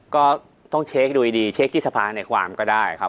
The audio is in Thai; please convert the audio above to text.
ก็ต้องเช็คดูดีเช็คที่สภาในความก็ได้ครับ